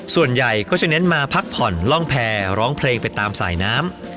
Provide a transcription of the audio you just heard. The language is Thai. ส่วนใหญ่ก็จะเน้นมาพักผ่อนล่องแพรร้องเพลงไปตามสายน้ำ